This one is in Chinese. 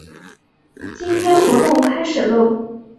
今天活动开始啰！